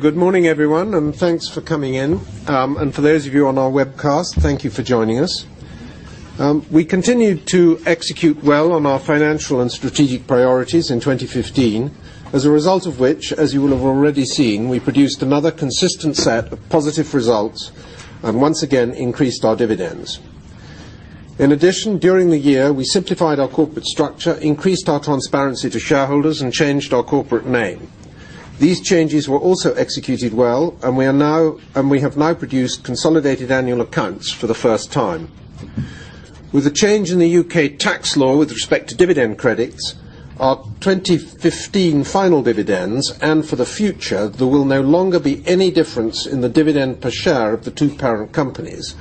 Good morning, everyone, and thanks for coming in. For those of you on our webcast, thank you for joining us. We continued to execute well on our financial and strategic priorities in 2015. As a result of which, as you will have already seen, we produced another consistent set of positive results and once again increased our dividends. In addition, during the year, we simplified our corporate structure, increased our transparency to shareholders, and changed our corporate name. These changes were also executed well, and we have now produced consolidated annual accounts for the first time. With the change in the U.K. tax law with respect to dividend credits, our 2015 final dividends, and for the future, there will no longer be any difference in the dividend per share of the two parent companies.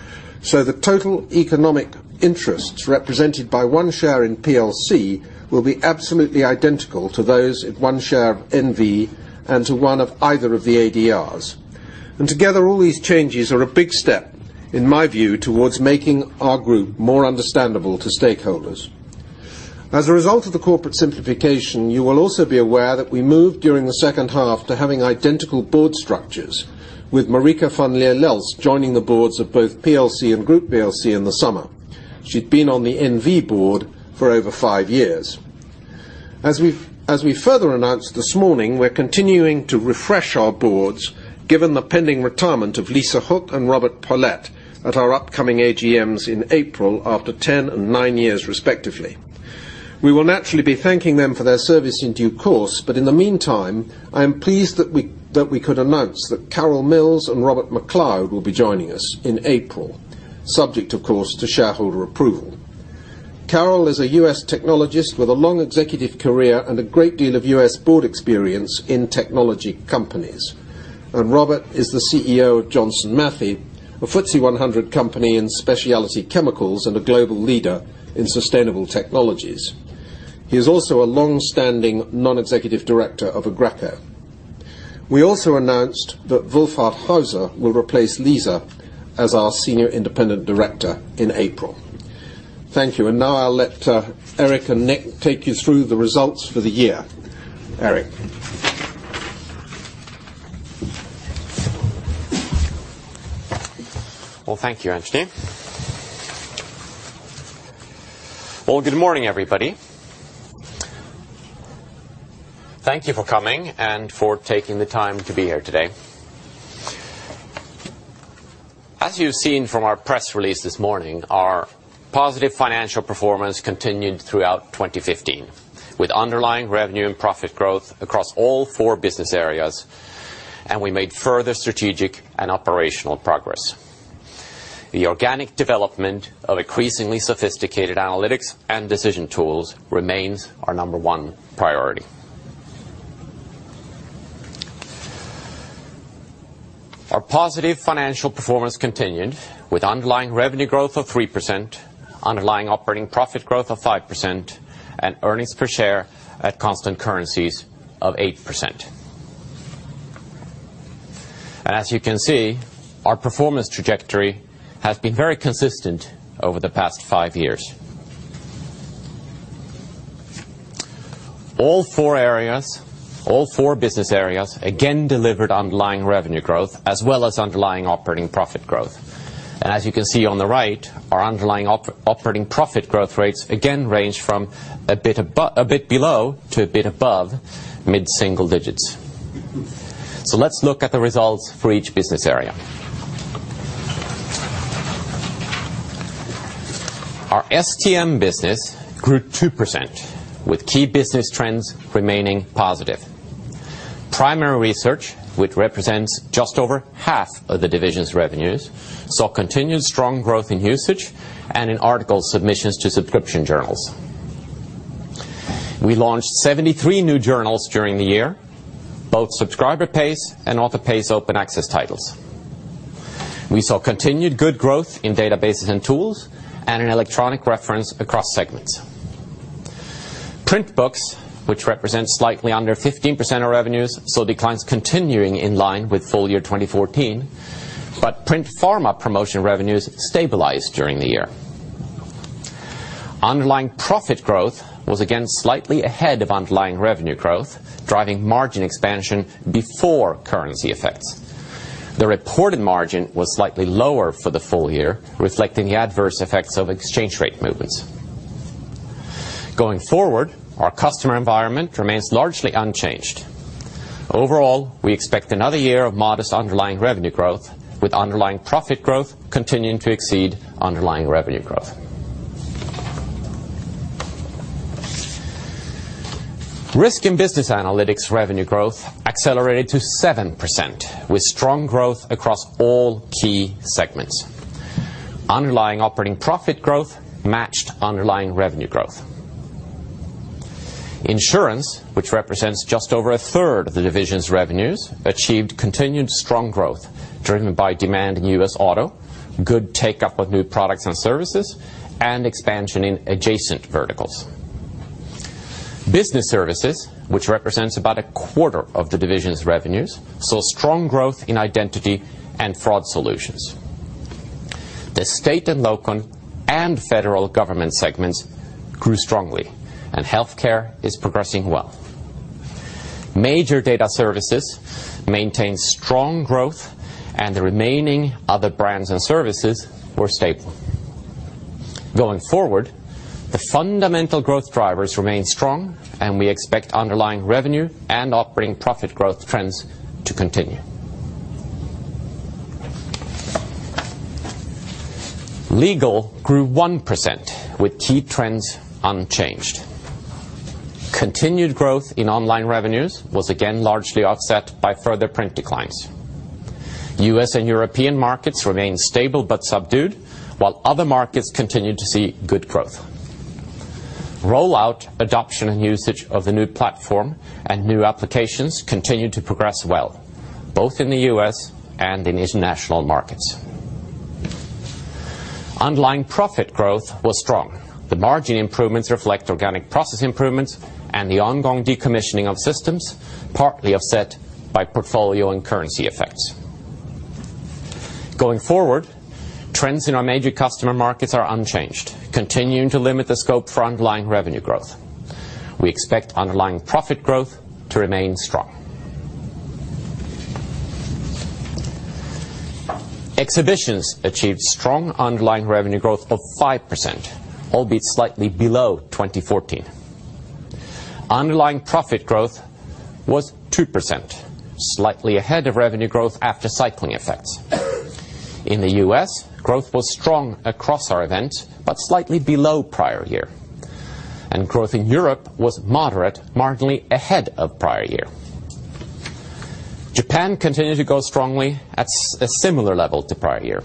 The total economic interests represented by one share in PLC will be absolutely identical to those in one share of NV and to one of either of the ADRs. Together, all these changes are a big step, in my view, towards making our group more understandable to stakeholders. As a result of the corporate simplification, you will also be aware that we moved during the second half to having identical board structures with Marieke van Leeuwen joining the boards of both PLC and Group PLC in the summer. She'd been on the NV board for over five years. As we further announced this morning, we're continuing to refresh our boards, given the pending retirement of Lisa Hook and Robert Polet at our upcoming AGMs in April after 10 and nine years respectively. We will naturally be thanking them for their service in due course. In the meantime, I am pleased that we could announce that Carol Mills and Robert MacLeod will be joining us in April, subject, of course, to shareholder approval. Carol is a U.S. technologist with a long executive career and a great deal of U.S. board experience in technology companies. Robert is the CEO of Johnson Matthey, a FTSE 100 company in specialty chemicals and a global leader in sustainable technologies. He is also a long-standing non-executive director of Aggreko. We also announced that Wilfried Hauser will replace Lisa as our Senior Independent Director in April. Thank you. Now I'll let Erik and Nick take you through the results for the year. Erik. Thank you, Anthony. Good morning, everybody. Thank you for coming and for taking the time to be here today. As you've seen from our press release this morning, our positive financial performance continued throughout 2015, with underlying revenue and profit growth across all four business areas. We made further strategic and operational progress. The organic development of increasingly sophisticated analytics and decision tools remains our number one priority. Our positive financial performance continued with underlying revenue growth of 3%, underlying operating profit growth of 5%, and earnings per share at constant currencies of 8%. As you can see, our performance trajectory has been very consistent over the past five years. All four business areas again delivered underlying revenue growth as well as underlying operating profit growth. As you can see on the right, our underlying operating profit growth rates again range from a bit below to a bit above mid-single digits. Let's look at the results for each business area. Our STM business grew 2%, with key business trends remaining positive. Primary research, which represents just over half of the division's revenues, saw continued strong growth in usage and in article submissions to subscription journals. We launched 73 new journals during the year, both subscriber-pays and author-pays open access titles. We saw continued good growth in databases and tools and in electronic reference across segments. Print books, which represent slightly under 15% of revenues, saw declines continuing in line with full year 2014, but print pharma promotion revenues stabilized during the year. Underlying profit growth was again slightly ahead of underlying revenue growth, driving margin expansion before currency effects. The reported margin was slightly lower for the full year, reflecting the adverse effects of exchange rate movements. Going forward, our customer environment remains largely unchanged. Overall, we expect another year of modest underlying revenue growth, with underlying profit growth continuing to exceed underlying revenue growth. Risk & Business Analytics revenue growth accelerated to 7%, with strong growth across all key segments. Underlying operating profit growth matched underlying revenue growth. Insurance, which represents just over a third of the division's revenues, achieved continued strong growth driven by demand in U.S. auto, good take-up of new products and services, and expansion in adjacent verticals. Business services, which represents about a quarter of the division's revenues, saw strong growth in identity and fraud solutions. The state and local and federal government segments grew strongly, and healthcare is progressing well. Major data services maintained strong growth, the remaining other brands and services were stable. Going forward, the fundamental growth drivers remain strong, we expect underlying revenue and operating profit growth trends to continue. Legal grew 1% with key trends unchanged. Continued growth in online revenues was again largely offset by further print declines. U.S. and European markets remained stable but subdued, while other markets continued to see good growth. Rollout, adoption, and usage of the new platform and new applications continued to progress well, both in the U.S. and in international markets. Underlying profit growth was strong. The margin improvements reflect organic process improvements and the ongoing decommissioning of systems, partly offset by portfolio and currency effects. Going forward, trends in our major customer markets are unchanged, continuing to limit the scope for underlying revenue growth. We expect underlying profit growth to remain strong. Exhibitions achieved strong underlying revenue growth of 5%, albeit slightly below 2014. Underlying profit growth was 2%, slightly ahead of revenue growth after cycling effects. In the U.S., growth was strong across our events, but slightly below prior year. Growth in Europe was moderate, marginally ahead of prior year. Japan continued to grow strongly at a similar level to prior year.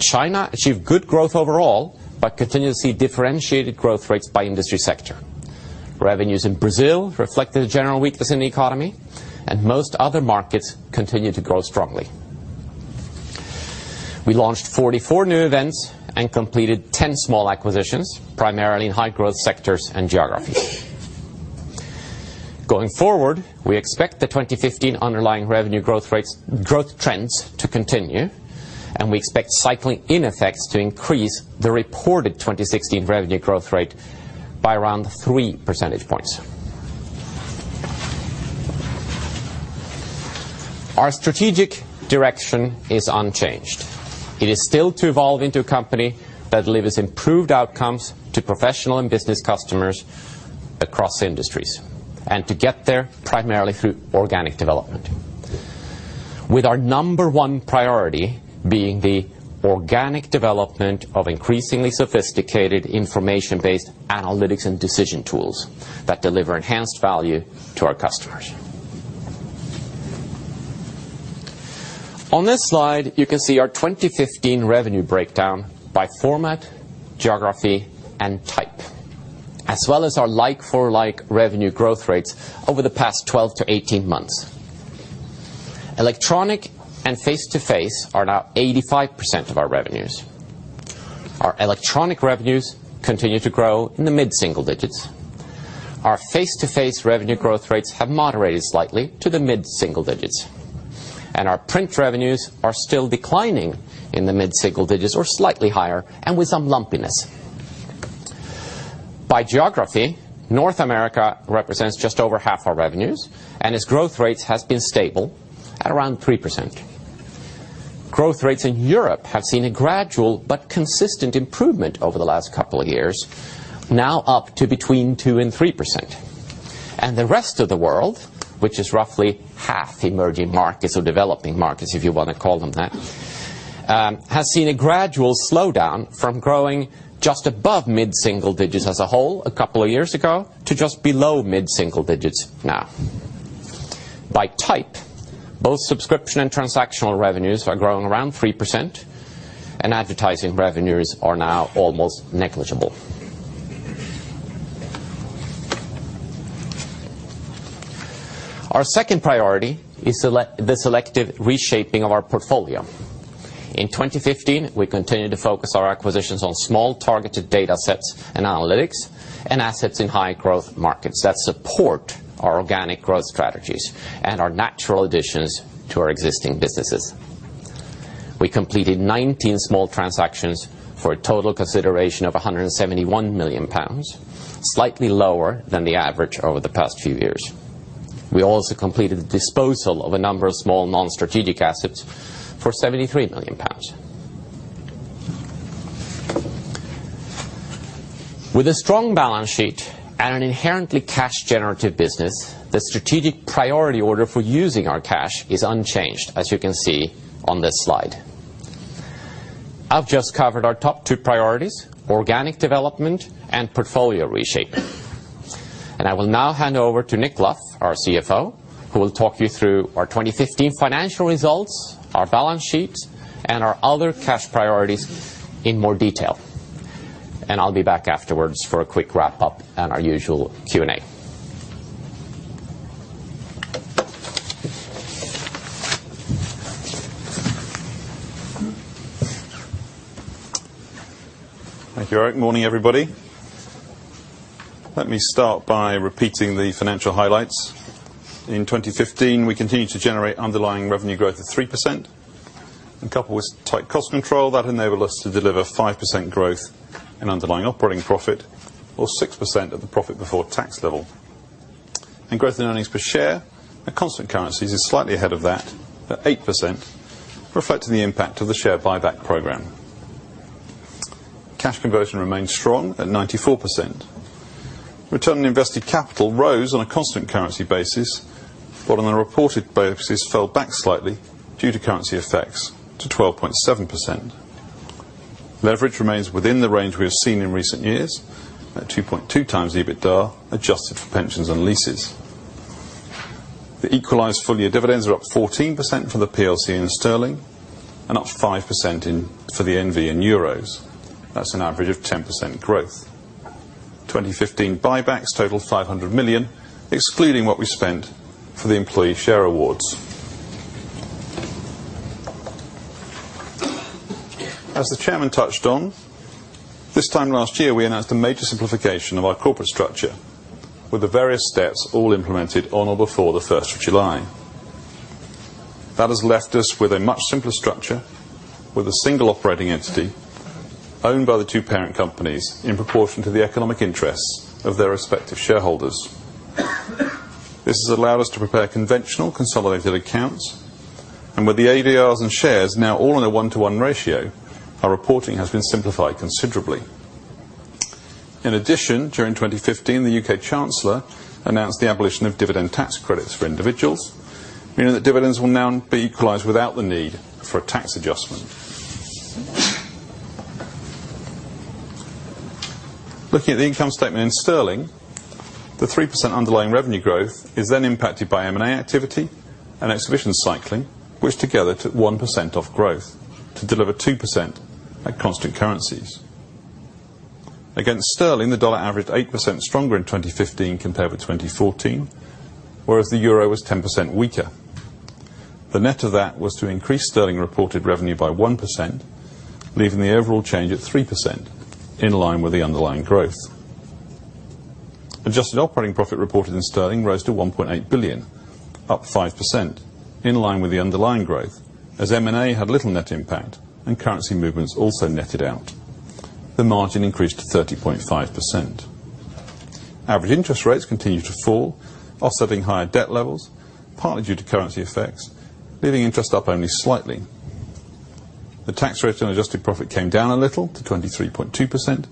China achieved good growth overall but continued to see differentiated growth rates by industry sector. Revenues in Brazil reflected a general weakness in the economy, most other markets continued to grow strongly. We launched 44 new events and completed 10 small acquisitions, primarily in high-growth sectors and geographies. Going forward, we expect the 2015 underlying revenue growth rates, growth trends to continue, we expect cycling in effects to increase the reported 2016 revenue growth rate by around three percentage points. Our strategic direction is unchanged. It is still to evolve into a company that delivers improved outcomes to professional and business customers across industries, to get there primarily through organic development, with our number one priority being the organic development of increasingly sophisticated information-based analytics and decision tools that deliver enhanced value to our customers. On this slide, you can see our 2015 revenue breakdown by format, geography, and type, as well as our like-for-like revenue growth rates over the past 12 to 18 months. Electronic and face-to-face are now 85% of our revenues. Our electronic revenues continue to grow in the mid-single digits. Our face-to-face revenue growth rates have moderated slightly to the mid-single digits. Our print revenues are still declining in the mid-single digits or slightly higher and with some lumpiness. By geography, North America represents just over half our revenues and its growth rate has been stable at around 3%. Growth rates in Europe have seen a gradual but consistent improvement over the last couple of years, now up to between 2% and 3%. The rest of the world, which is roughly half the emerging markets or developing markets, if you want to call them that, has seen a gradual slowdown from growing just above mid-single digits as a whole a couple of years ago to just below mid-single digits now. By type, both subscription and transactional revenues are growing around 3%, advertising revenues are now almost negligible. Our second priority is the selective reshaping of our portfolio. In 2015, we continued to focus our acquisitions on small targeted data sets and analytics and assets in high-growth markets that support our organic growth strategies and are natural additions to our existing businesses. We completed 19 small transactions for a total consideration of 171 million pounds, slightly lower than the average over the past few years. We also completed the disposal of a number of small non-strategic assets for 73 million pounds. With a strong balance sheet and an inherently cash-generative business, the strategic priority order for using our cash is unchanged, as you can see on this slide. I've just covered our top two priorities, organic development and portfolio reshaping. I will now hand over to Nick Luff, our CFO, who will talk you through our 2015 financial results, our balance sheets, and our other cash priorities in more detail. I'll be back afterwards for a quick wrap-up and our usual Q&A. Thank you, Erik. Morning, everybody. Let me start by repeating the financial highlights. In 2015, we continued to generate underlying revenue growth of 3%, coupled with tight cost control, that enabled us to deliver 5% growth in underlying operating profit or 6% of the profit before tax level. Growth in earnings per share at constant currencies is slightly ahead of that, at 8%, reflecting the impact of the share buyback program. Cash conversion remains strong at 94%. Return on invested capital rose on a constant currency basis, on a reported basis, fell back slightly due to currency effects to 12.7%. Leverage remains within the range we have seen in recent years at 2.2 times EBITDA, adjusted for pensions and leases. The equalized full-year dividends are up 14% for the RELX PLC in GBP and up 5% for the RELX NV in EUR. That's an average of 10% growth. 2015 buybacks totaled 500 million, excluding what we spent for the employee share awards. As the chairman touched on, this time last year, we announced a major simplification of our corporate structure with the various steps all implemented on or before the 1st of July. That has left us with a much simpler structure, with a single operating entity owned by the two parent companies in proportion to the economic interests of their respective shareholders. This has allowed us to prepare conventional consolidated accounts, and with the ADRs and shares now all in a one-to-one ratio, our reporting has been simplified considerably. In addition, during 2015, the U.K. Chancellor announced the abolition of dividend tax credits for individuals, meaning that dividends will now be equalized without the need for a tax adjustment. Looking at the income statement in sterling, the 3% underlying revenue growth is then impacted by M&A activity and exhibition cycling, which together took 1% off growth to deliver 2% at constant currencies. Against sterling, the dollar averaged 8% stronger in 2015 compared with 2014, whereas the euro was 10% weaker. The net of that was to increase sterling reported revenue by 1%, leaving the overall change at 3%, in line with the underlying growth. Adjusted operating profit reported in sterling rose to 1.8 billion, up 5%, in line with the underlying growth, as M&A had little net impact and currency movements also netted out. The margin increased to 30.5%. Average interest rates continued to fall, offsetting higher debt levels, partly due to currency effects, leaving interest up only slightly. The tax rate on adjusted profit came down a little to 23.2%,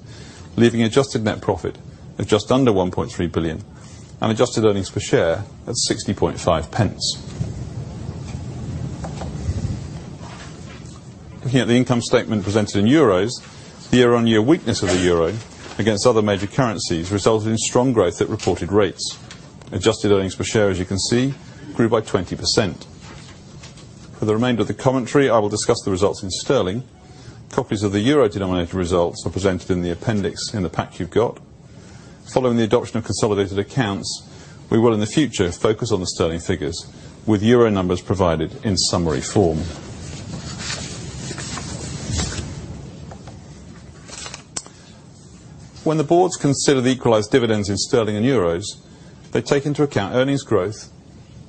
leaving adjusted net profit at just under 1.3 billion and adjusted earnings per share at 0.605. Looking at the income statement presented in euros, the year-on-year weakness of the euro against other major currencies resulted in strong growth at reported rates. Adjusted earnings per share, as you can see, grew by 20%. For the remainder of the commentary, I will discuss the results in sterling. Copies of the euro-denominated results are presented in the appendix in the pack you've got. Following the adoption of consolidated accounts, we will in the future focus on the sterling figures with euro numbers provided in summary form. When the boards consider the equalized dividends in sterling and euros, they take into account earnings growth,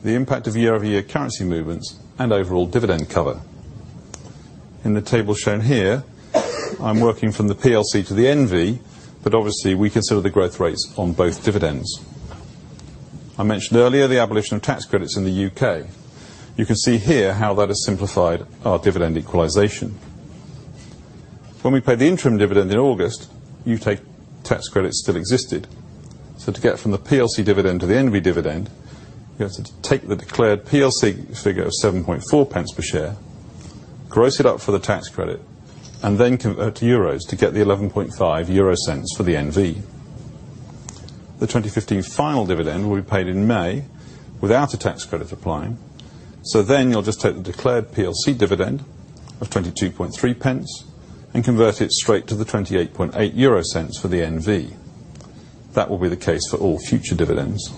the impact of year-over-year currency movements, and overall dividend cover. In the table shown here, I'm working from the PLC to the NV, obviously, we consider the growth rates on both dividends. I mentioned earlier the abolition of tax credits in the U.K. You can see here how that has simplified our dividend equalization. When we paid the interim dividend in August, U.K. tax credits still existed. To get from the PLC dividend to the NV dividend, you have to take the declared PLC figure of 0.074 per share, gross it up for the tax credit, and then convert to euros to get the 0.115 for the NV. The 2015 final dividend will be paid in May without a tax credit applying. You'll just take the declared PLC dividend of 0.223 and convert it straight to the 0.288 for the NV. That will be the case for all future dividends.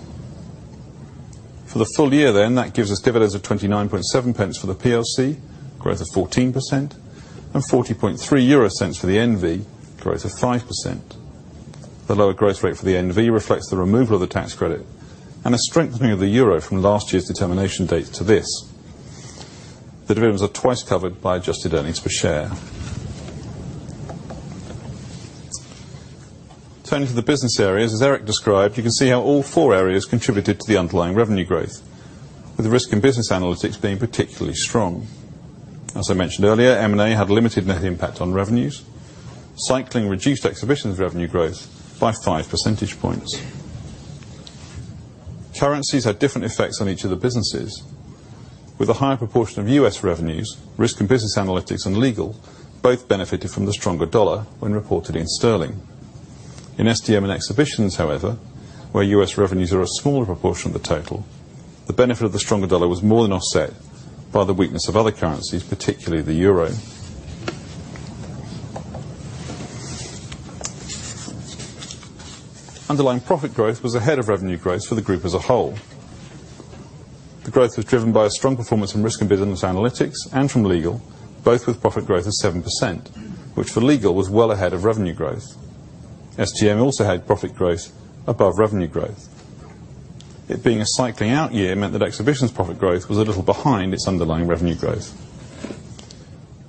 For the full year, that gives us dividends of 0.297 for RELX PLC, growth of 14%, and 0.403 for RELX NV, growth of 5%. The lower growth rate for RELX NV reflects the removal of the tax credit and a strengthening of the euro from last year's determination date to this. The dividends are twice covered by adjusted earnings per share. Turning to the business areas, as Erik described, you can see how all four areas contributed to the underlying revenue growth, with Risk & Business Analytics being particularly strong. As I mentioned earlier, M&A had limited net impact on revenues. Cycling reduced Exhibitions revenue growth by 5 percentage points. Currencies had different effects on each of the businesses. With a higher proportion of U.S. revenues, Risk & Business Analytics and Legal both benefited from the stronger dollar when reported in sterling. In STM and Exhibitions, however, where U.S. revenues are a smaller proportion of the total, the benefit of the stronger dollar was more than offset by the weakness of other currencies, particularly the euro. Underlying profit growth was ahead of revenue growth for the group as a whole. The growth was driven by a strong performance in Risk & Business Analytics and from Legal, both with profit growth of 7%, which for Legal was well ahead of revenue growth. STM also had profit growth above revenue growth. It being a cycling out year meant that Exhibitions profit growth was a little behind its underlying revenue growth.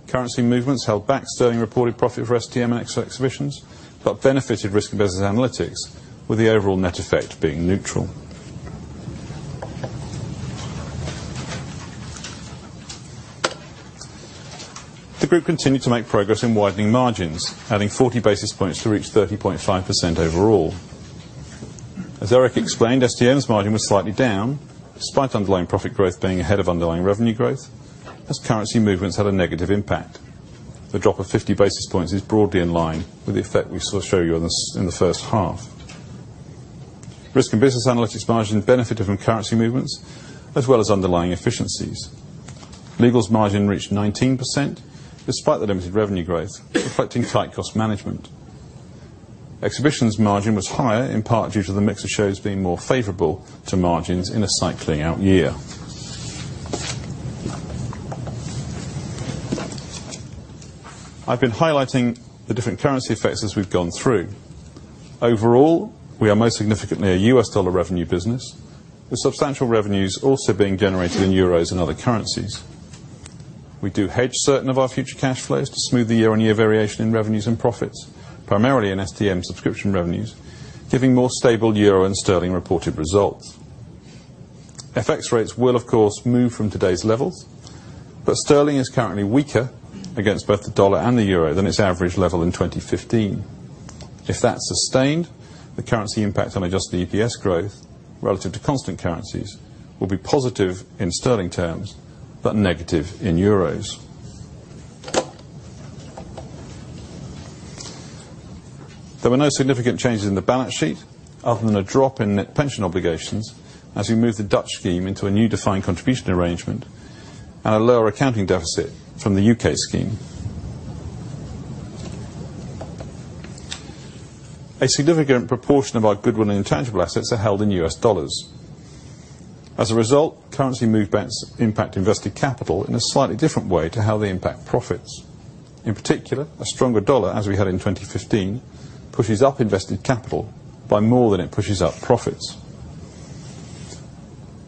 Currency movements held back sterling reported profit for STM and Exhibitions, but benefited Risk & Business Analytics, with the overall net effect being neutral. The group continued to make progress in widening margins, adding 40 basis points to reach 30.5% overall. As Erik explained, STM's margin was slightly down despite underlying profit growth being ahead of underlying revenue growth, as currency movements had a negative impact. The drop of 50 basis points is broadly in line with the effect we showed you in the first half. Risk & Business Analytics margin benefited from currency movements as well as underlying efficiencies. Legal's margin reached 19%, despite the limited revenue growth, reflecting tight cost management. Exhibitions margin was higher, in part due to the mix of shows being more favorable to margins in a cycling out year. I've been highlighting the different currency effects as we've gone through. Overall, we are most significantly a U.S. dollar revenue business, with substantial revenues also being generated in euros and other currencies. We do hedge certain of our future cash flows to smooth the year-on-year variation in revenues and profits, primarily in STM subscription revenues, giving more stable euro and sterling reported results. FX rates will, of course, move from today's levels, but sterling is currently weaker against both the dollar and the euro than its average level in 2015. If that's sustained, the currency impact on adjusted EPS growth relative to constant currencies will be positive in sterling terms, but negative in euros. There were no significant changes in the balance sheet other than a drop in net pension obligations as we moved the Dutch scheme into a new defined contribution arrangement and a lower accounting deficit from the U.K. scheme. A significant proportion of our goodwill and intangible assets are held in U.S. dollars. As a result, currency movements impact invested capital in a slightly different way to how they impact profits. In particular, a stronger dollar, as we had in 2015, pushes up invested capital by more than it pushes up profits.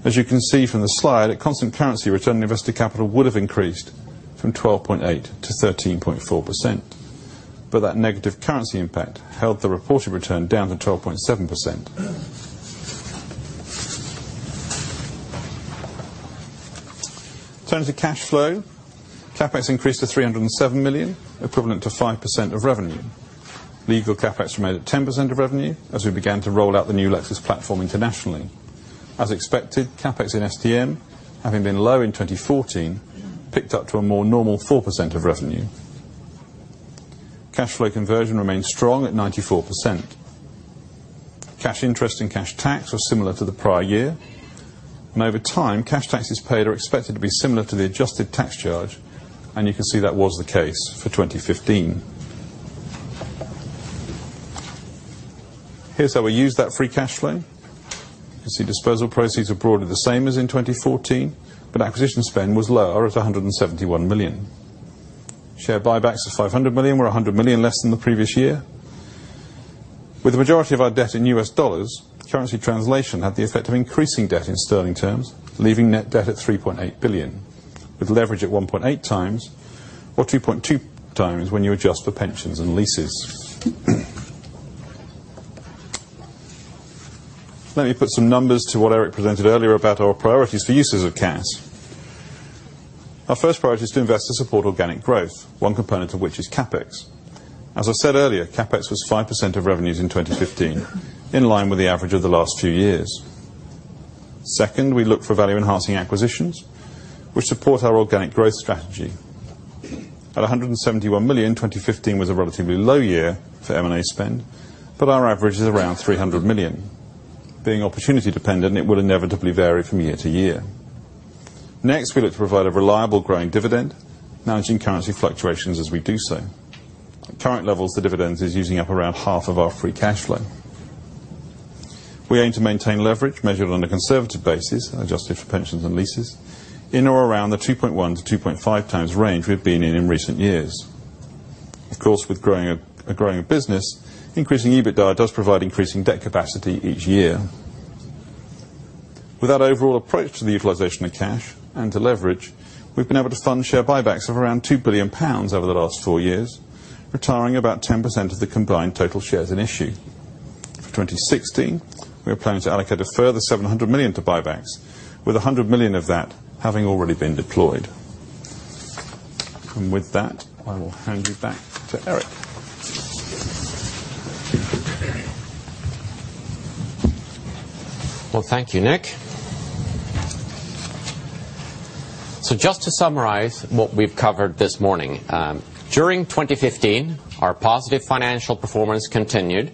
As you can see from the slide, at constant currency return on invested capital would have increased from 12.8% to 13.4%, but that negative currency impact held the reported return down to 12.7%. In terms of cash flow, CapEx increased to 307 million, equivalent to 5% of revenue. Legal CapEx remained at 10% of revenue as we began to roll out the new Lexis platform internationally. As expected, CapEx in Scientific, Technical & Medical, having been low in 2014, picked up to a more normal 4% of revenue. Cash flow conversion remained strong at 94%. Cash interest and cash tax were similar to the prior year. Over time, cash taxes paid are expected to be similar to the adjusted tax charge, you can see that was the case for 2015. Here's how we used that free cash flow. You can see disposal proceeds are broadly the same as in 2014, acquisition spend was lower at 171 million. Share buybacks of 500 million were 100 million less than the previous year. With the majority of our debt in US dollars, currency translation had the effect of increasing debt in sterling terms, leaving net debt at $3.8 billion, with leverage at 1.8 times or 2.2 times when you adjust for pensions and leases. Let me put some numbers to what Erik presented earlier about our priorities for uses of cash. Our first priority is to invest to support organic growth, one component of which is CapEx. As I said earlier, CapEx was 5% of revenues in 2015, in line with the average of the last few years. Second, we look for value-enhancing acquisitions, which support our organic growth strategy. At 171 million, 2015 was a relatively low year for M&A spend, our average is around 300 million. Being opportunity-dependent, it will inevitably vary from year to year. Next, we look to provide a reliable growing dividend, managing currency fluctuations as we do so. At current levels, the dividend is using up around half of our free cash flow. We aim to maintain leverage measured on a conservative basis, adjusted for pensions and leases, in or around the 2.1-2.5 times range we've been in in recent years. Of course, with growing a business, increasing EBITDA does provide increasing debt capacity each year. With that overall approach to the utilization of cash and to leverage, we've been able to fund share buybacks of around 2 billion pounds over the last four years, retiring about 10% of the combined total shares in issue. For 2016, we are planning to allocate a further 700 million to buybacks, with 100 million of that having already been deployed. With that, I will hand you back to Erik. Well, thank you, Nick. Just to summarize what we've covered this morning. During 2015, our positive financial performance continued.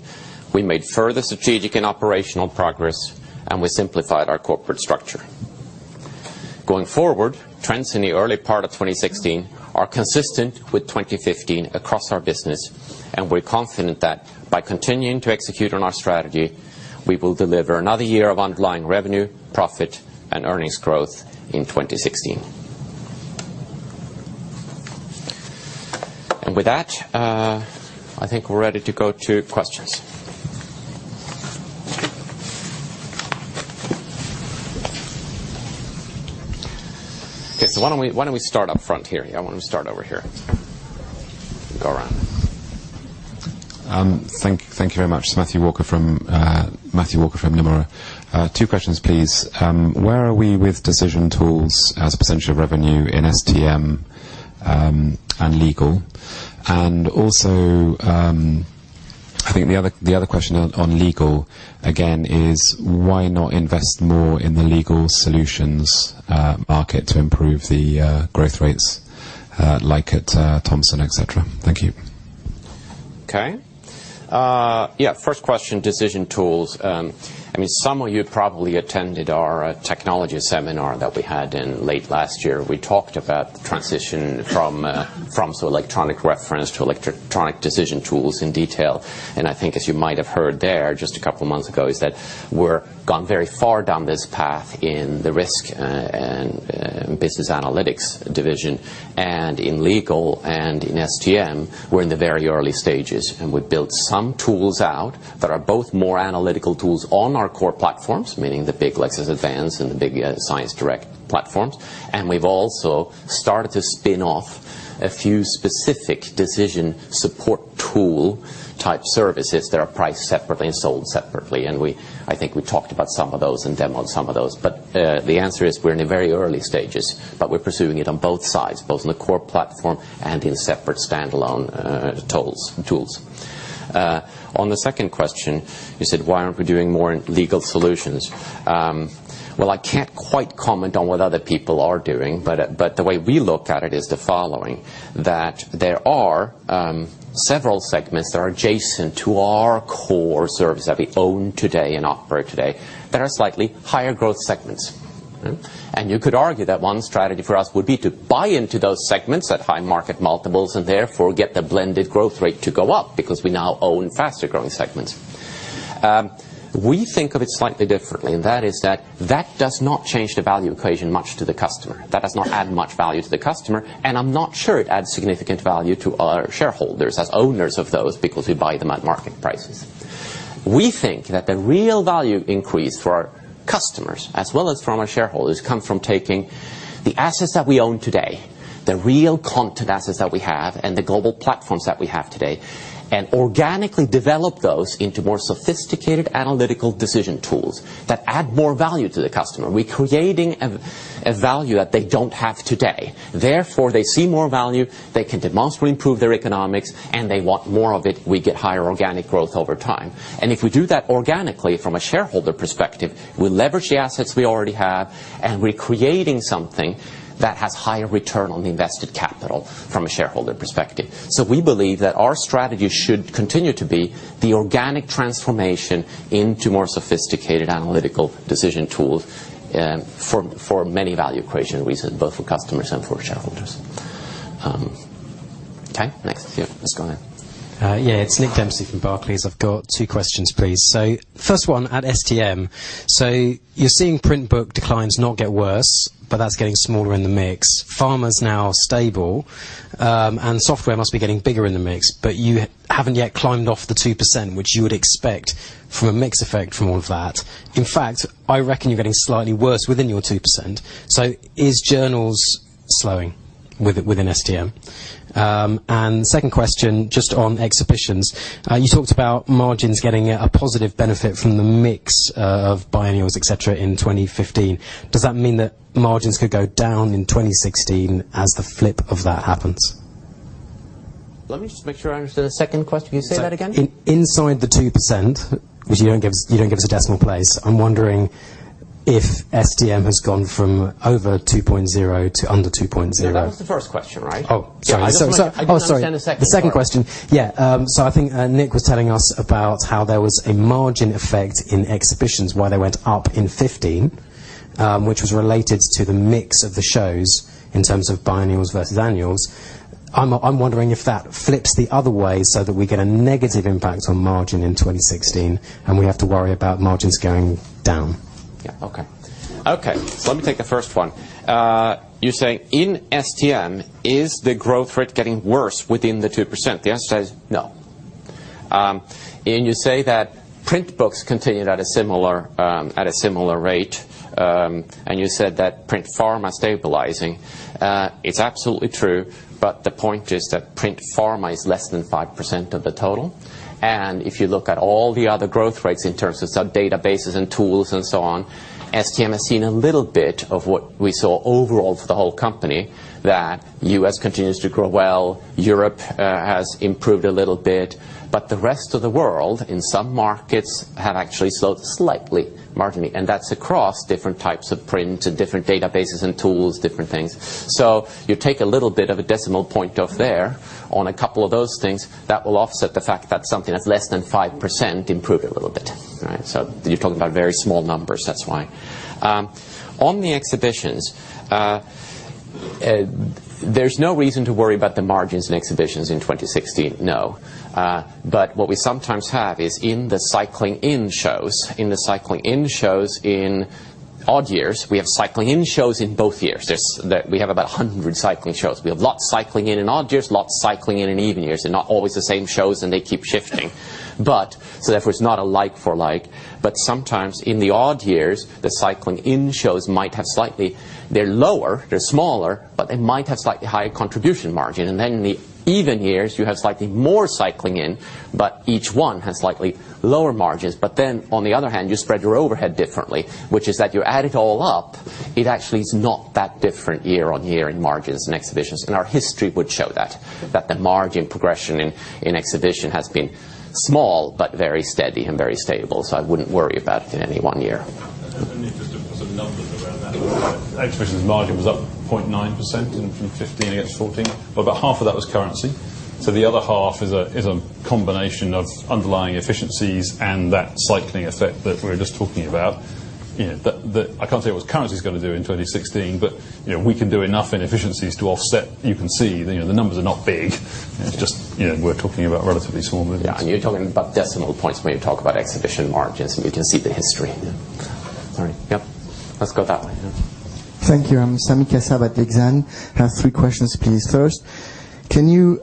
We made further strategic and operational progress, and we simplified our corporate structure. Going forward, trends in the early part of 2016 are consistent with 2015 across our business, and we're confident that by continuing to execute on our strategy, we will deliver another year of underlying revenue, profit, and earnings growth in 2016. With that, I think we're ready to go to questions. Okay. Why don't we start up front here? I want to start over here and go around. Thank you very much. It's Matthew Walker from Nomura. Two questions, please. Where are we with decision tools as a % of revenue in STM, and legal? Also, I think the other question on legal again is why not invest more in the legal solutions market to improve the growth rates, like at Thomson, et cetera. Thank you. Okay. Yeah, first question, decision tools. Some of you probably attended our technology seminar that we had in late last year. We talked about the transition from electronic reference to electronic decision tools in detail. I think as you might have heard there just a couple of months ago, is that we've gone very far down this path in the Risk & Business Analytics division. In legal and in STM, we're in the very early stages, and we've built some tools out that are both more analytical tools on our core platforms, meaning the big Lexis Advance and the big ScienceDirect platforms. We've also started to spin off a few specific decision support tool type services that are priced separately and sold separately. I think we talked about some of those and demoed some of those. The answer is we're in the very early stages, but we're pursuing it on both sides, both on the core platform and in separate standalone tools. On the second question, you said, "Why aren't we doing more in legal solutions?" Well, I can't quite comment on what other people are doing, the way we look at it is the following, that there are several segments that are adjacent to our core service that we own today and operate today that are slightly higher growth segments. You could argue that one strategy for us would be to buy into those segments at high market multiples and therefore get the blended growth rate to go up because we now own faster growing segments. We think of it slightly differently, and that is that does not change the value equation much to the customer. That does not add much value to the customer, and I'm not sure it adds significant value to our shareholders as owners of those because we buy them at market prices. We think that the real value increase for our customers as well as from our shareholders come from taking the assets that we own today, the real content assets that we have, and the global platforms that we have today, and organically develop those into more sophisticated analytical decision tools that add more value to the customer. We're creating a value that they don't have today. Therefore, they see more value, they can demonstrably improve their economics, and they want more of it. We get higher organic growth over time. If we do that organically from a shareholder perspective, we leverage the assets we already have, and we're creating something that has higher return on the invested capital from a shareholder perspective. We believe that our strategy should continue to be the organic transformation into more sophisticated analytical decision tools for many value equation reasons, both for customers and for shareholders. Okay, next. Yeah, let's go ahead. Yeah. It's Nick Dempsey from Barclays. I've got two questions, please. First one, at STM. You're seeing print book declines not get worse, but that's getting smaller in the mix. Pharma's now stable. Software must be getting bigger in the mix, but you haven't yet climbed off the 2%, which you would expect from a mix effect from all of that. In fact, I reckon you're getting slightly worse within your 2%. Is journals slowing within STM? Second question, just on Exhibitions. You talked about margins getting a positive benefit from the mix of biennials, et cetera, in 2015. Does that mean that margins could go down in 2016 as the flip of that happens? Let me just make sure I understood the second question. Can you say that again? Inside the 2%, because you don't give us a decimal place, I'm wondering if STM has gone from over 2.0 to under 2.0. That was the first question, right? Oh, sorry. I didn't understand the second part. The second question, yeah. I think Nick was telling us about how there was a margin effect in Exhibitions, why they went up in 2015, which was related to the mix of the shows in terms of biennials versus annuals. I'm wondering if that flips the other way so that we get a negative impact on margin in 2016, and we have to worry about margins going down. Yeah. Okay. Let me take the first one. You're saying in STM, is the growth rate getting worse within the 2%? The answer is no. You say that print books continued at a similar rate, and you said that print pharma stabilizing. It's absolutely true, the point is that print pharma is less than 5% of the total. If you look at all the other growth rates in terms of databases and tools and so on, STM has seen a little bit of what we saw overall for the whole company, that U.S. continues to grow well, Europe has improved a little bit. The rest of the world, in some markets, have actually slowed slightly, marginally, and that's across different types of print, different databases and tools, different things. You take a little bit of a decimal point off there on a couple of those things, that will offset the fact that something that's less than 5% improved a little bit. You're talking about very small numbers, that's why. There's no reason to worry about the margins in Exhibitions in 2016, no. What we sometimes have is in the cycling in shows. In the cycling in shows in odd years, we have cycling in shows in both years. We have about 100 cycling shows. We have lots cycling in odd years, lots cycling in even years. They're not always the same shows, and they keep shifting. Therefore, it's not a like for like. Sometimes in the odd years, the cycling in shows might have slightly, they're lower, they're smaller, but they might have slightly higher contribution margin. In the even years, you have slightly more cycling in, each one has slightly lower margins. On the other hand, you spread your overhead differently, which is that you add it all up, it actually is not that different year on year in margins in Exhibitions. Our history would show that. That the margin progression in Exhibitions has been small, very steady and very stable. I wouldn't worry about it in any one year. I'm only interested in some numbers around that. Exhibitions margin was up 0.9% in 2015 against 2014. But about half of that was currency, so the other half is a combination of underlying efficiencies and that cycling effect that we were just talking about. I can't tell you what currency's going to do in 2016, but we can do enough in efficiencies to offset. You can see the numbers are not big. We're talking about relatively small movements. Yeah, you're talking about decimal points when you talk about Exhibitions margins, and you can see the history. All right. Yep. Let's go that way. Yeah. Thank you. I'm Sami Kassab at Exane. I have three questions, please. First, can you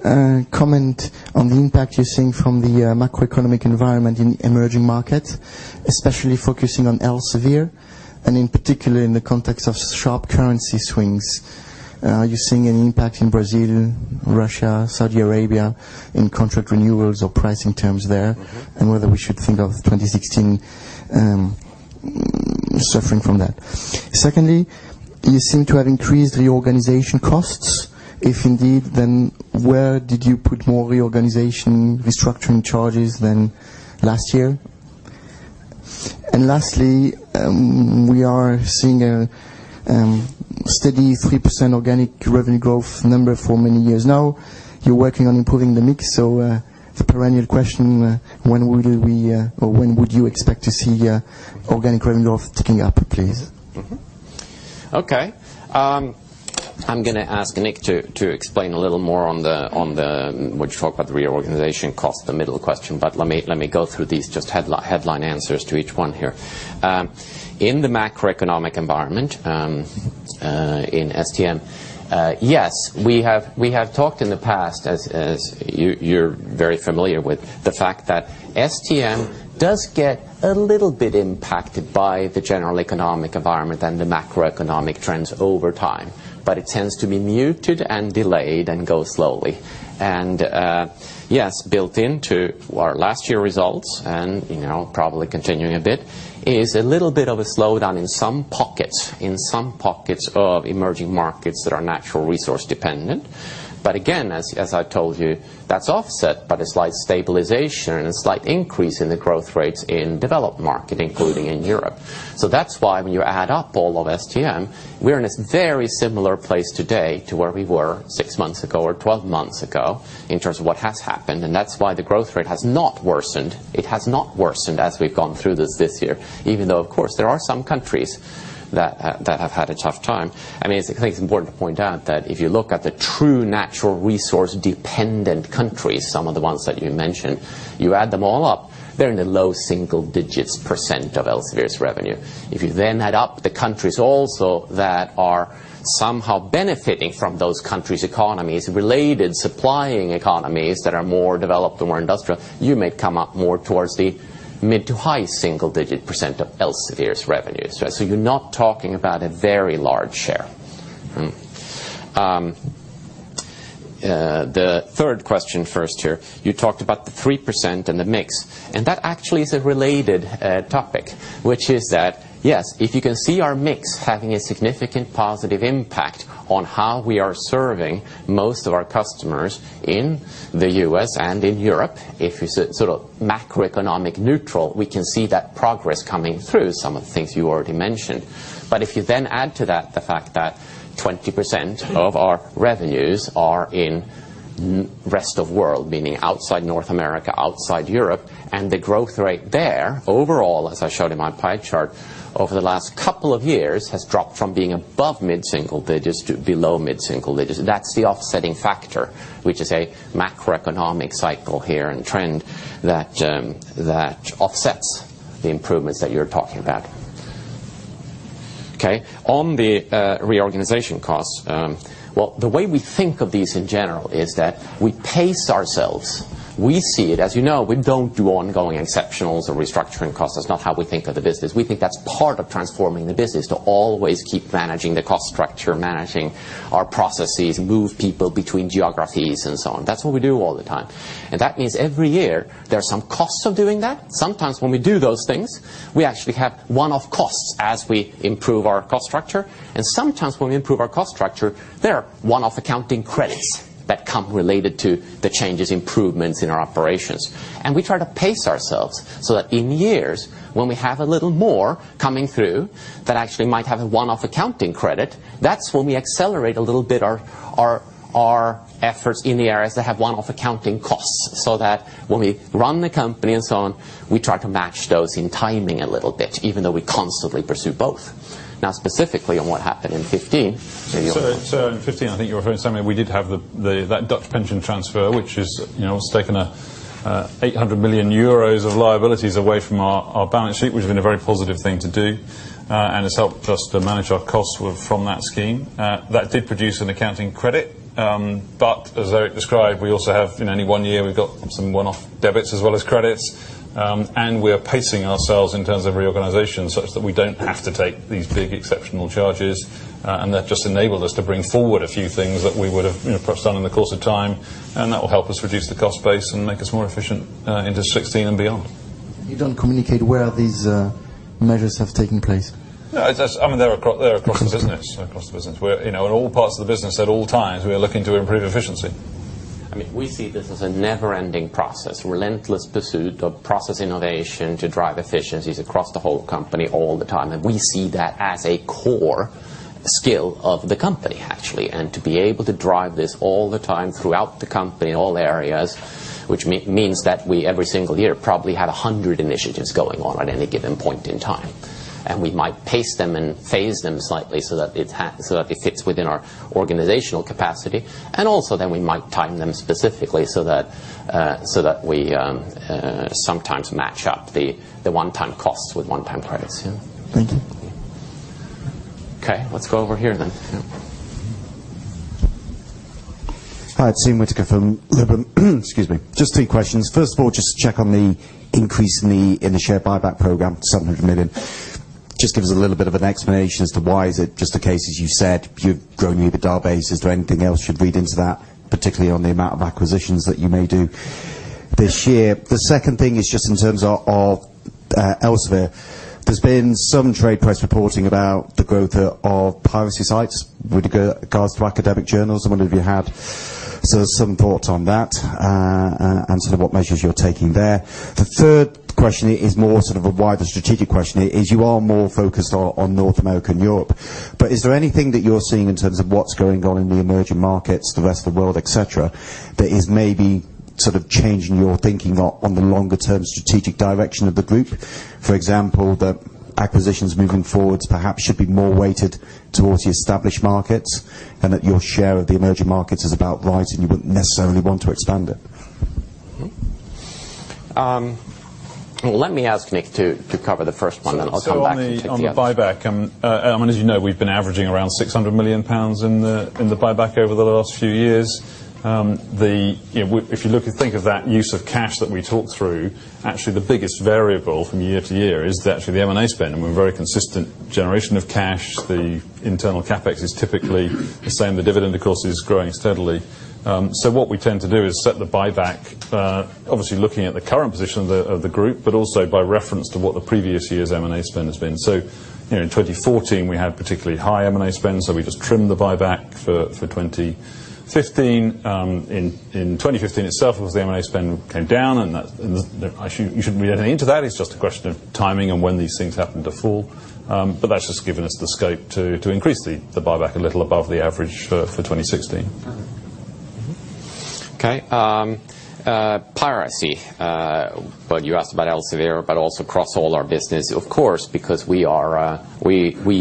comment on the impact you're seeing from the macroeconomic environment in emerging markets, especially focusing on Elsevier and in particular in the context of sharp currency swings? Are you seeing any impact in Brazil, Russia, Saudi Arabia, in contract renewals or pricing terms there? Whether we should think of 2016 suffering from that. Secondly, you seem to have increased reorganization costs. If indeed, then where did you put more reorganization restructuring charges than last year? Lastly, we are seeing a steady 3% organic revenue growth number for many years now. You're working on improving the mix, the perennial question, when will we or when would you expect to see organic revenue growth ticking up, please? Okay. I'm going to ask Nick to explain a little more on the, when you talk about the reorganization cost, the middle question. Let me go through these, just headline answers to each one here. In the macroeconomic environment, in STM, yes, we have talked in the past, as you're very familiar with the fact that STM does get a little bit impacted by the general economic environment and the macroeconomic trends over time. It tends to be muted and delayed and go slowly. Yes, built into our last year results, and probably continuing a bit, is a little bit of a slowdown in some pockets. In some pockets of emerging markets that are natural resource dependent. Again, as I've told you, that's offset by the slight stabilization and a slight increase in the growth rates in developed market, including in Europe. That's why when you add up all of STM, we're in a very similar place today to where we were six months ago or 12 months ago in terms of what has happened, and that's why the growth rate has not worsened. It has not worsened as we've gone through this this year, even though, of course, there are some countries that have had a tough time. I think it's important to point out that if you look at the true natural resource-dependent countries, some of the ones that you mentioned, you add them all up, they're in the low single-digit % of Elsevier's revenue. You then add up the countries also that are somehow benefiting from those countries' economies, related supplying economies that are more developed and more industrial, you may come up more towards the mid to high single-digit % of Elsevier's revenues. You're not talking about a very large share. The third question first here, you talked about the 3% and the mix, and that actually is a related topic. Yes, if you can see our mix having a significant positive impact on how we are serving most of our customers in the U.S. and in Europe, if it's sort of macroeconomic neutral, we can see that progress coming through some of the things you already mentioned. If you then add to that the fact that 20% of our revenues are in rest of world, meaning outside North America, outside Europe, and the growth rate there overall, as I showed in my pie chart, over the last couple of years, has dropped from being above mid single digits to below mid single digits. That's the offsetting factor, which is a macroeconomic cycle here and trend that offsets the improvements that you're talking about. Okay, on the reorganization costs. The way we think of these in general is that we pace ourselves. We see it, as you know, we don't do ongoing exceptionals or restructuring costs. That's not how we think of the business. We think that's part of transforming the business to always keep managing the cost structure, managing our processes, move people between geographies, and so on. That's what we do all the time. That means every year there are some costs of doing that. Sometimes when we do those things, we actually have one-off costs as we improve our cost structure, and sometimes when we improve our cost structure, there are one-off accounting credits that come related to the changes, improvements in our operations. We try to pace ourselves so that in years when we have a little more coming through that actually might have a one-off accounting credit, that's when we accelerate a little bit our efforts in the areas that have one-off accounting costs, so that when we run the company and so on, we try to match those in timing a little bit, even though we constantly pursue both. Specifically on what happened in 2015. In 2015, I think you were hearing something, we did have that Dutch pension transfer, which has taken 800 million euros of liabilities away from our balance sheet, which has been a very positive thing to do. It's helped us to manage our costs from that scheme. That did produce an accounting credit. As Erik described, we also have, in any one year, we've got some one-off debits as well as credits. We're pacing ourselves in terms of reorganization such that we don't have to take these big exceptional charges. That just enabled us to bring forward a few things that we would have perhaps done in the course of time, and that will help us reduce the cost base and make us more efficient into 2016 and beyond. You don't communicate where these measures have taken place? No, they're across the business. In all parts of the business at all times, we are looking to improve efficiency. We see this as a never-ending process, relentless pursuit of process innovation to drive efficiencies across the whole company all the time. We see that as a core skill of the company, actually, to be able to drive this all the time throughout the company, in all areas, which means that we, every single year, probably have 100 initiatives going on at any given point in time. We might pace them and phase them slightly so that it fits within our organizational capacity. Also then we might time them specifically so that we sometimes match up the one-time costs with one-time credits. Thank you. Okay, let's go over here then. Yeah. Hi, Tim Whittaker from Liberum. Excuse me. Just three questions. First of all, just check on the increase in the share buyback program to 700 million. Just give us a little bit of an explanation as to why. Is it just the case, as you said, you're growing your database? Is there anything else you'd read into that, particularly on the amount of acquisitions that you may do this year? The second thing is just in terms of Elsevier. There's been some trade press reporting about the growth of piracy sites with regards to academic journals. I wonder if you have sort of some thoughts on that, and sort of what measures you're taking there. The third question is more sort of a wider strategic question. You are more focused on North America and Europe, is there anything that you're seeing in terms of what's going on in the emerging markets, the rest of the world, et cetera, that is maybe sort of changing your thinking on the longer term strategic direction of the group? For example, the acquisitions moving forward perhaps should be more weighted towards the established markets, and that your share of the emerging markets is about right, and you wouldn't necessarily want to expand it. Let me ask Nick to cover the first one, then I'll come back to the others. On the buyback, as you know, we've been averaging around 600 million pounds in the buyback over the last few years. If you think of that use of cash that we talked through, actually the biggest variable from year to year is actually the M&A spend. We're very consistent generation of cash. The internal CapEx is typically the same. The dividend, of course, is growing steadily. What we tend to do is set the buyback, obviously looking at the current position of the group, also by reference to what the previous year's M&A spend has been. In 2014, we had particularly high M&A spend, we just trimmed the buyback for 2015. In 2015 itself, obviously, the M&A spend came down, you shouldn't read anything into that. It's just a question of timing and when these things happen to fall. That's just given us the scope to increase the buyback a little above the average for 2016. Okay. Piracy. Well, you asked about Elsevier, but also across all our business, of course, because we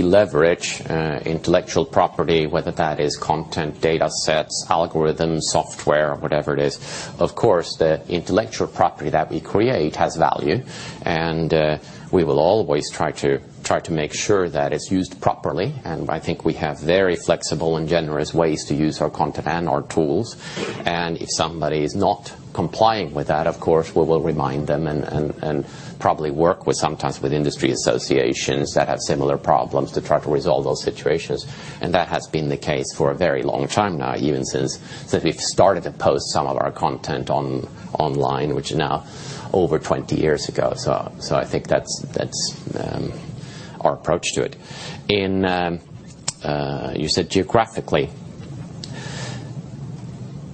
leverage intellectual property, whether that is content, data sets, algorithms, software, or whatever it is. Of course, the intellectual property that we create has value, and we will always try to make sure that it's used properly. I think we have very flexible and generous ways to use our content and our tools. If somebody is not complying with that, of course, we will remind them and probably work sometimes with industry associations that have similar problems to try to resolve those situations. That has been the case for a very long time now. Even since we've started to post some of our content online, which is now over 20 years ago. I think that's our approach to it. You said geographically.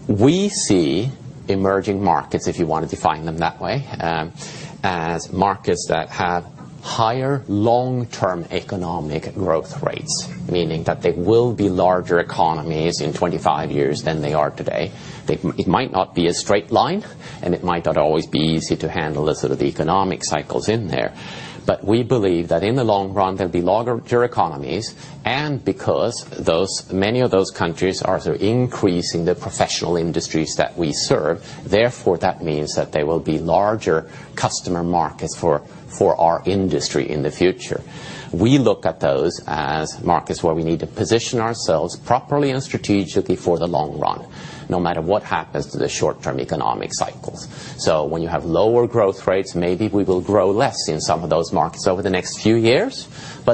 We see emerging markets, if you want to define them that way, as markets that have higher long-term economic growth rates, meaning that they will be larger economies in 25 years than they are today. It might not be a straight line, and it might not always be easy to handle the sort of economic cycles in there. We believe that in the long run, they'll be larger economies. Because many of those countries are increasing the professional industries that we serve, therefore that means that they will be larger customer markets for our industry in the future. We look at those as markets where we need to position ourselves properly and strategically for the long run, no matter what happens to the short-term economic cycles. When you have lower growth rates, maybe we will grow less in some of those markets over the next few years.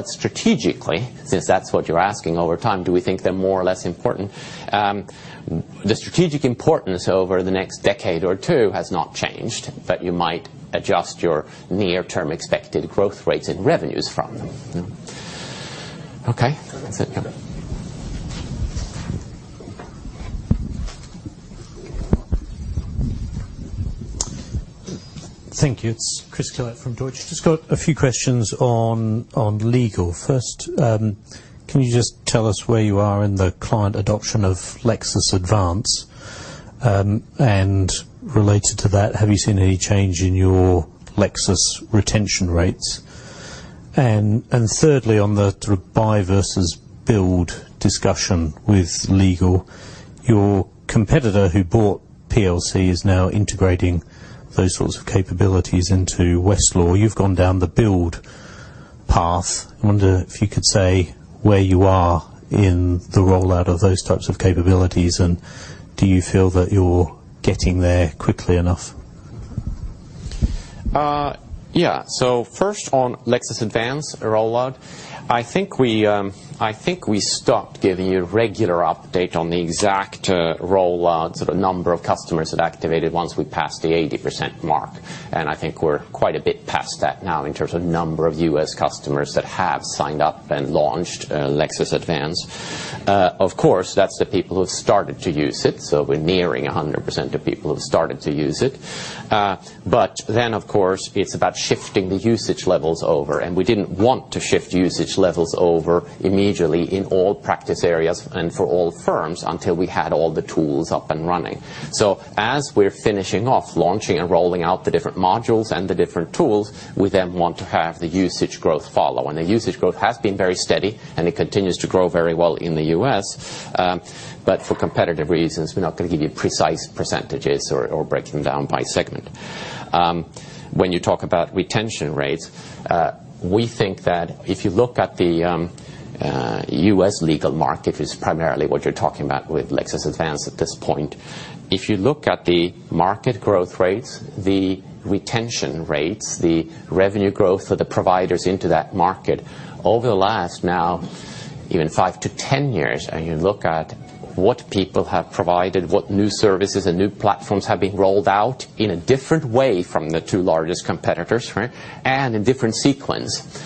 Strategically, since that's what you're asking, over time, do we think they're more or less important? The strategic importance over the next decade or two has not changed. You might adjust your near-term expected growth rates and revenues from them. Okay. That's it. Yeah. Thank you. It's Chris Collett from Deutsche Bank. Just got a few questions on legal. First, can you just tell us where you are in the client adoption of Lexis Advance? Related to that, have you seen any change in your Lexis retention rates? Thirdly, on the sort of buy versus build discussion with legal. Your competitor who bought PLC is now integrating those sorts of capabilities into Westlaw. You've gone down the build path. I wonder if you could say where you are in the rollout of those types of capabilities, and do you feel that you're getting there quickly enough? Yeah. First, on Lexis Advance rollout, I think we stopped giving you a regular update on the exact rollouts of the number of customers that activated once we passed the 80% mark. I think we're quite a bit past that now in terms of number of U.S. customers that have signed up and launched Lexis Advance. Of course, that's the people who have started to use it, so we're nearing 100% of people who have started to use it. Of course, it's about shifting the usage levels over, and we didn't want to shift usage levels over immediately in all practice areas and for all firms until we had all the tools up and running. As we're finishing off launching and rolling out the different modules and the different tools, we want to have the usage growth follow. The usage growth has been very steady, and it continues to grow very well in the U.S. For competitive reasons, we're not going to give you precise percentages or break them down by segment. When you talk about retention rates, we think that if you look at the U.S. legal market, is primarily what you're talking about with Lexis Advance at this point. If you look at the market growth rates, the retention rates, the revenue growth for the providers into that market over the last, now even five to 10 years, and you look at what people have provided, what new services and new platforms have been rolled out in a different way from the two largest competitors, right? In different sequence.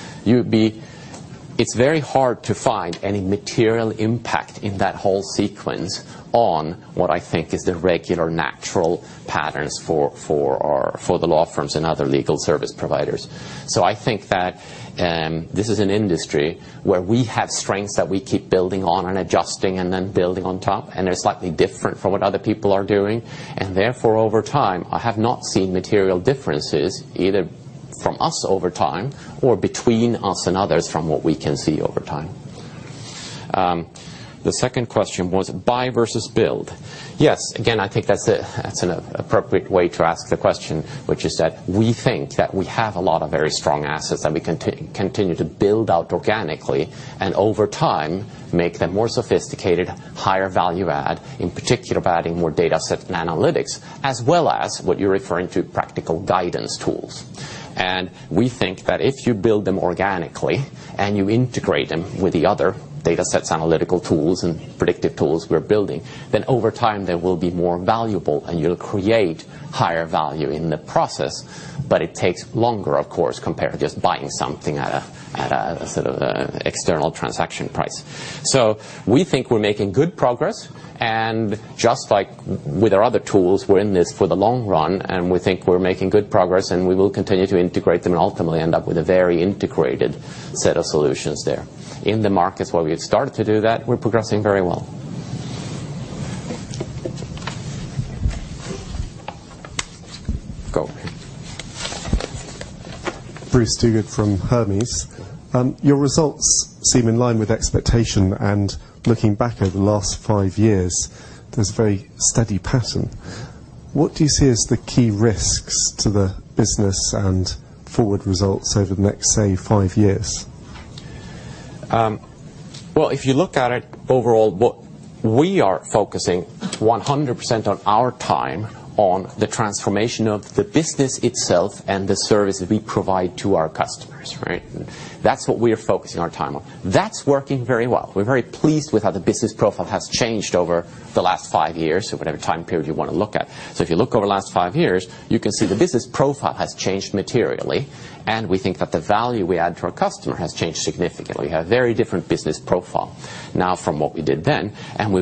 It's very hard to find any material impact in that whole sequence on what I think is the regular, natural patterns for the law firms and other legal service providers. I think that this is an industry where we have strengths that we keep building on and adjusting and then building on top, and they're slightly different from what other people are doing. Therefore, over time, I have not seen material differences, either from us over time or between us and others from what we can see over time. The second question was buy versus build. Yes, again, I think that's an appropriate way to ask the question, which is that we think that we have a lot of very strong assets that we continue to build out organically, and over time, make them more sophisticated, higher value add, in particular by adding more data set and analytics, as well as what you're referring to, practical guidance tools. We think that if you build them organically and you integrate them with the other data sets, analytical tools, and predictive tools we're building, over time, they will be more valuable, and you'll create higher value in the process. It takes longer, of course, compared to just buying something at a sort of external transaction price. We think we're making good progress, and just like with our other tools, we're in this for the long run, and we think we're making good progress, and we will continue to integrate them and ultimately end up with a very integrated set of solutions there. In the markets where we have started to do that, we're progressing very well. Go. Bruce Duguid from Hermes. Your results seem in line with expectation, and looking back over the last five years, there's a very steady pattern. What do you see as the key risks to the business and forward results over the next, say, five years? Well, if you look at it overall, what we are focusing 100% of our time on the transformation of the business itself and the service that we provide to our customers, right? That's what we are focusing our time on. That's working very well. We're very pleased with how the business profile has changed over the last five years, or whatever time period you want to look at. If you look over the last five years, you can see the business profile has changed materially, and we think that the value we add to our customer has changed significantly. We have very different business profile now from what we did then, and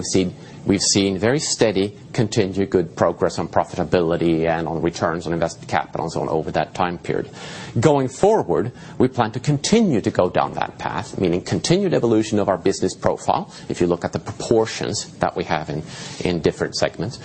we've seen very steady, continued good progress on profitability and on returns on invested capital and so on over that time period. Going forward, we plan to continue to go down that path, meaning continued evolution of our business profile, if you look at the proportions that we have in different segments.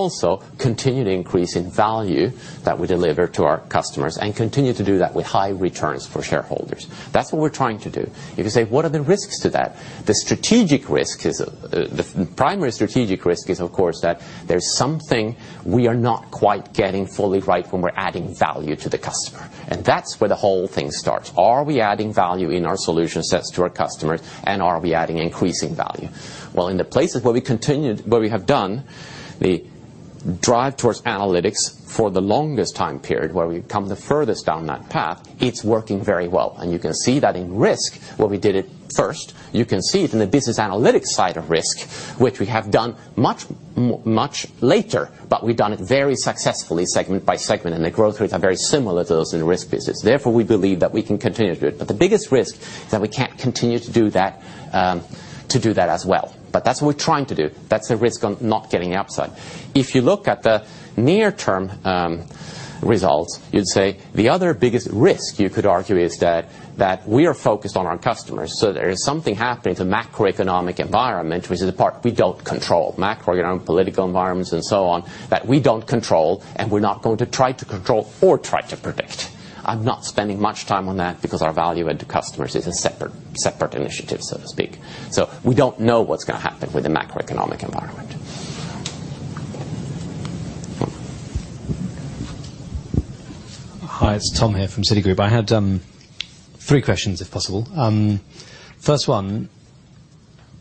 Also continued increase in value that we deliver to our customers and continue to do that with high returns for shareholders. That's what we're trying to do. If you say, what are the risks to that? The primary strategic risk is, of course, that there's something we are not quite getting fully right when we're adding value to the customer, and that's where the whole thing starts. Are we adding value in our solution sets to our customers, and are we adding increasing value? Well, in the places where we have done the drive towards analytics for the longest time period, where we've come the furthest down that path, it's working very well. You can see that in risk, where we did it first. You can see it in the business analytics side of risk, which we have done much later, but we've done it very successfully segment by segment, and the growth rates are very similar to those in the risk business. We believe that we can continue to do it. The biggest risk that we can't continue to do that as well. That's what we're trying to do. That's a risk on not getting the upside. If you look at the near term results, you'd say the other biggest risk you could argue is that, we are focused on our customers. There is something happening to macroeconomic environment, which is the part we don't control. Macroeconomic, political environments, and so on, that we don't control, and we're not going to try to control or try to predict. I'm not spending much time on that because our value add to customers is a separate initiative, so to speak. We don't know what's going to happen with the macroeconomic environment. Hi, it's Tom here from Citigroup. I had 3 questions, if possible. First one.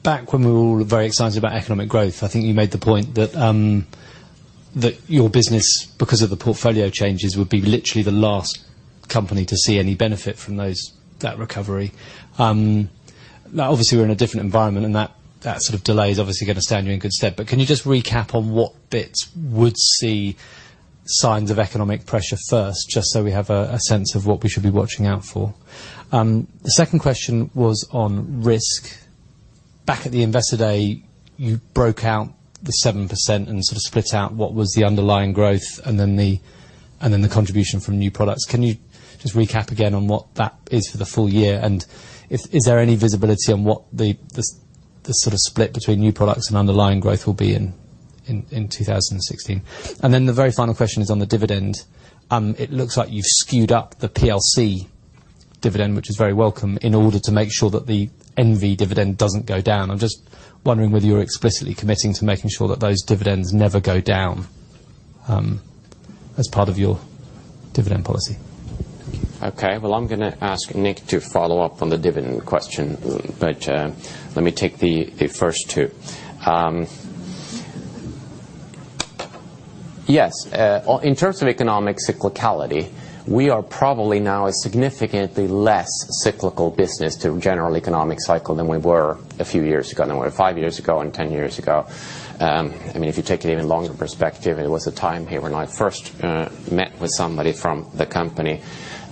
Back when we were all very excited about economic growth, I think you made the point that your business, because of the portfolio changes, would be literally the last company to see any benefit from that recovery. Now, obviously, we're in a different environment, and that sort of delay is obviously going to stand you in good stead. Can you just recap on what bits would see signs of economic pressure first, just so we have a sense of what we should be watching out for? The second question was on risk. Back at the Investor Day, you broke out the 7% and sort of split out what was the underlying growth and then the contribution from new products. Can you just recap again on what that is for the full year? Is there any visibility on what the sort of split between new products and underlying growth will be in 2016? Then the very final question is on the dividend. It looks like you've skewed up the PLC dividend, which is very welcome, in order to make sure that the NV dividend doesn't go down. I'm just wondering whether you're explicitly committing to making sure that those dividends never go down as part of your dividend policy. Okay. Well, I'm going to ask Nick to follow up on the dividend question, but let me take the first two. Yes. In terms of economic cyclicality, we are probably now a significantly less cyclical business to general economic cycle than we were a few years ago, than we were 5 years ago, and 10 years ago. If you take an even longer perspective, there was a time here when I first met with somebody from the company,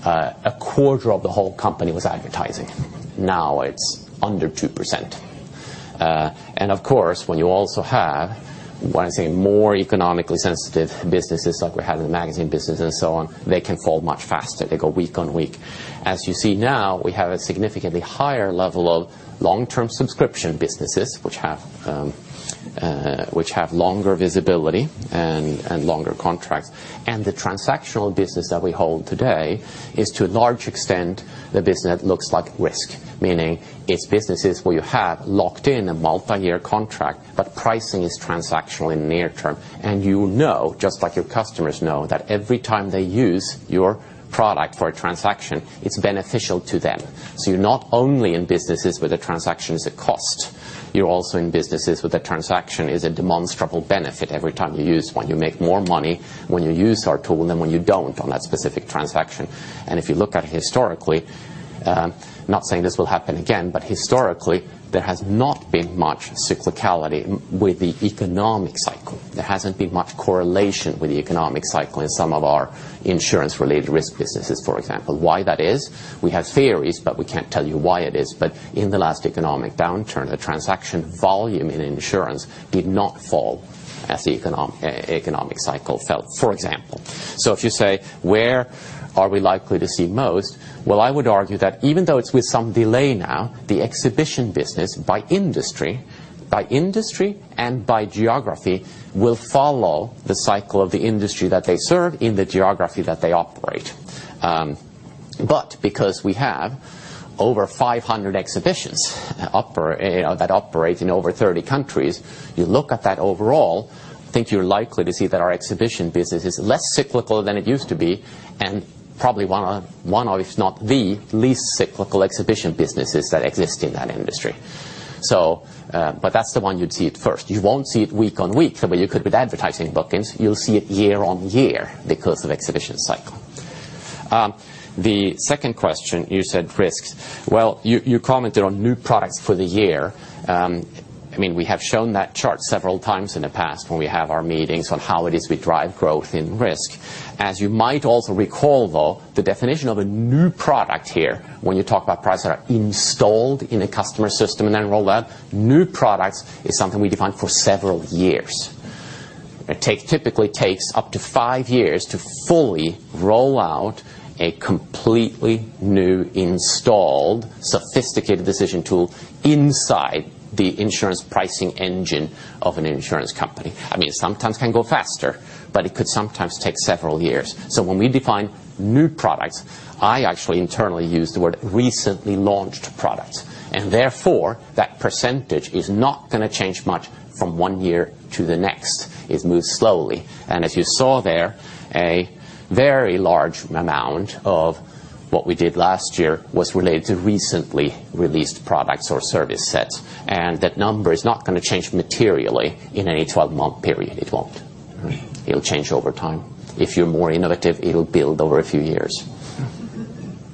a quarter of the whole company was advertising. Now it's under 2%. Of course, when you also have, when I say more economically sensitive businesses like we have in the magazine business and so on, they can fall much faster. They go week on week. As you see now, we have a significantly higher level of long-term subscription businesses, which have longer visibility and longer contracts. The transactional business that we hold today is to a large extent, the business that looks like risk, meaning it's businesses where you have locked in a multi-year contract, but pricing is transactional in near term. You know, just like your customers know, that every time they use your product for a transaction, it's beneficial to them. You're not only in businesses where the transaction is at cost, you're also in businesses where the transaction is a demonstrable benefit every time you use one. You make more money when you use our tool than when you don't on that specific transaction. If you look at it historically, not saying this will happen again, but historically, there has not been much cyclicality with the economic cycle. There hasn't been much correlation with the economic cycle in some of our insurance-related risk businesses, for example. Why that is, we have theories, but we can't tell you why it is. In the last economic downturn, the transaction volume in insurance did not fall as the economic cycle fell, for example. If you say, where are we likely to see most? Well, I would argue that even though it's with some delay now, the Exhibitions business by industry and by geography will follow the cycle of the industry that they serve in the geography that they operate. Because we have over 500 Exhibitions that operate in over 30 countries, you look at that overall, I think you're likely to see that our Exhibitions business is less cyclical than it used to be, and probably one of, if not the least cyclical Exhibitions businesses that exist in that industry. That's the one you'd see it first. You won't see it week on week the way you could with advertising bookings. You'll see it year on year because of Exhibitions cycle. The second question, you said risks. Well, you commented on new products for the year. We have shown that chart several times in the past when we have our meetings on how it is we drive growth in risk. As you might also recall, though, the definition of a new product here, when you talk about products that are installed in a customer system and then roll out, new products is something we define for several years. It typically takes up to 5 years to fully roll out a completely new installed, sophisticated decision tool inside the insurance pricing engine of an insurance company. Sometimes can go faster, but it could sometimes take several years. When we define new products, I actually internally use the word recently launched products. Therefore, that percentage is not going to change much from one year to the next. It moves slowly. As you saw there, a very large amount of what we did last year was related to recently released products or service sets, and that number is not going to change materially in any 12-month period. It won't. It will change over time. If you are more innovative, it will build over a few years.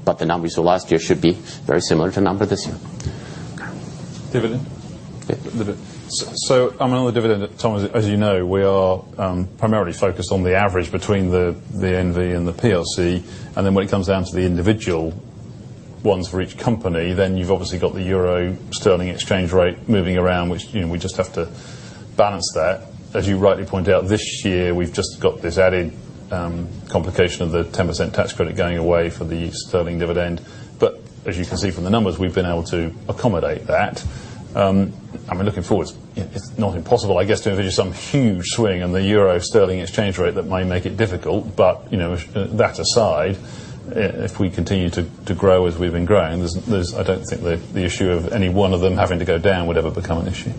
The numbers for last year should be very similar to number this year. Okay. Dividend? Yeah. Dividend. On the dividend, Tom, as you know, we are primarily focused on the average between the RELX NV and the RELX PLC. When it comes down to the individual ones for each company, you have obviously got the EUR sterling exchange rate moving around, which we just have to balance that. As you rightly point out, this year, we have just got this added complication of the 10% tax credit going away for the sterling dividend. As you can see from the numbers, we have been able to accommodate that. Looking forward, it is not impossible, I guess, to envision some huge swing in the EUR sterling exchange rate that might make it difficult. That aside, if we continue to grow as we have been growing, I do not think the issue of any one of them having to go down would ever become an issue.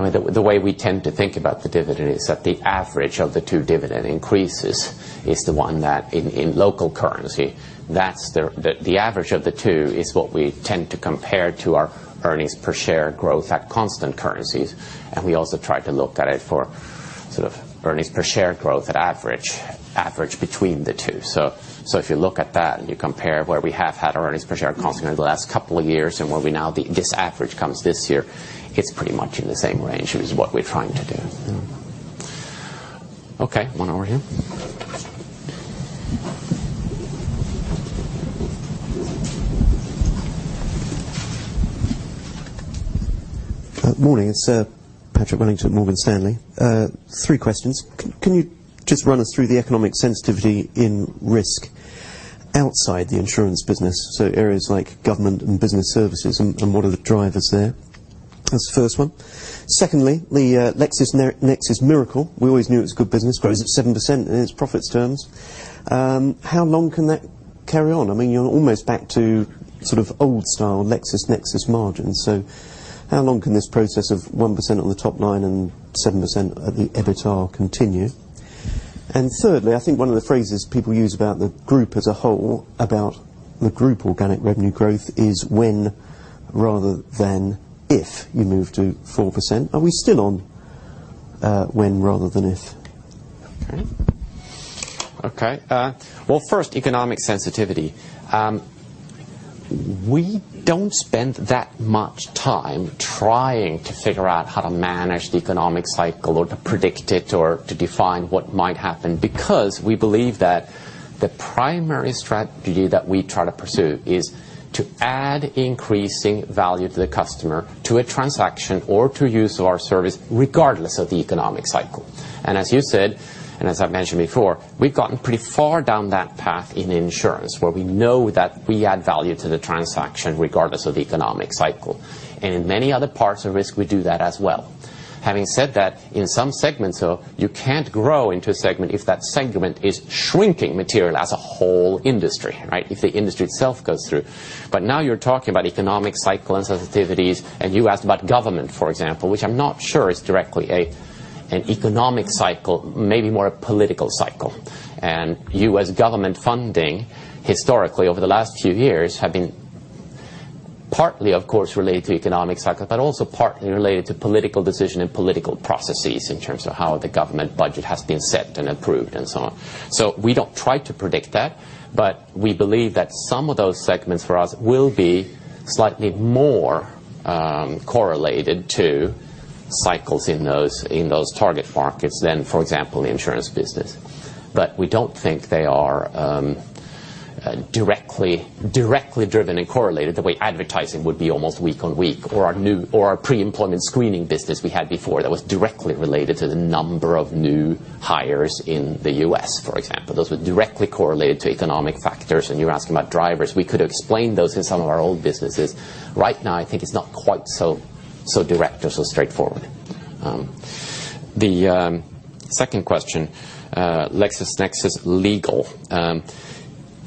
The way we tend to think about the dividend is that the average of the two dividend increases is the one that, in local currency, the average of the two is what we tend to compare to our EPS growth at constant currencies. We also try to look at it for EPS growth at average between the two. If you look at that and you compare where we have had our EPS constant over the last couple of years and where this average comes this year, it is pretty much in the same range. It is what we are trying to do. Okay, one over here. Morning, sir. Patrick Wellington at Morgan Stanley. Three questions. Can you just run us through the economic sensitivity in risk outside the insurance business, so areas like government and business services, and what are the drivers there? That is the first one. Secondly, the LexisNexis miracle, we always knew it was good business, grows at 7% in its profits terms. How long can that carry on? You are almost back to old style LexisNexis margins. How long can this process of 1% on the top line and 7% at the EBITDA continue? Thirdly, I think one of the phrases people use about the group as a whole, about the group organic revenue growth, is when rather than if you move to 4%. Are we still on when rather than if? First, economic sensitivity. We don't spend that much time trying to figure out how to manage the economic cycle or to predict it or to define what might happen, because we believe that the primary strategy that we try to pursue is to add increasing value to the customer, to a transaction, or to use of our service, regardless of the economic cycle. As you said, and as I've mentioned before, we've gotten pretty far down that path in insurance, where we know that we add value to the transaction regardless of the economic cycle. In many other parts of risk, we do that as well. Having said that, in some segments, though, you can't grow into a segment if that segment is shrinking materially as a whole industry, right? If the industry itself goes through. Now you're talking about economic cycle and sensitivities, and you asked about government, for example, which I'm not sure is directly an economic cycle, maybe more a political cycle. U.S. government funding historically over the last few years have been partly, of course, related to economic cycles, but also partly related to political decision and political processes in terms of how the government budget has been set and approved and so on. We don't try to predict that, but we believe that some of those segments for us will be slightly more correlated to cycles in those target markets than, for example, the insurance business. We don't think they are directly driven and correlated the way advertising would be almost week on week or our pre-employment screening business we had before that was directly related to the number of new hires in the U.S., for example. Those were directly correlated to economic factors, and you're asking about drivers. We could explain those in some of our old businesses. Right now, I think it's not quite so direct or so straightforward. The second question, LexisNexis Legal.